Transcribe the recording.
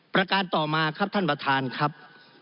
ประการต่อมาครับท่านประธานครับ